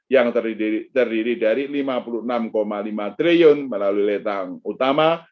yang terdiri dari rp lima puluh enam lima triliun melalui letang utama